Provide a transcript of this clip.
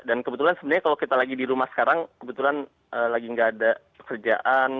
dan kebetulan sebenarnya kalau kita lagi di rumah sekarang kebetulan lagi nggak ada pekerjaan